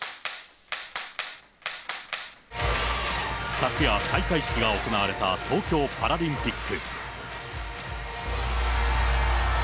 昨夜、開会式が行われた東京パラリンピック。